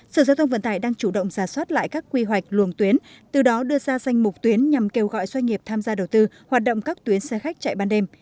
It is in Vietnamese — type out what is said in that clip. sở giao thông vận tải đang chủ động ra soát lại các quy hoạch luồng tuyến từ đó đưa ra danh mục tuyến nhằm kêu gọi doanh nghiệp tham gia đầu tư hoạt động các tuyến xe khách chạy ban đêm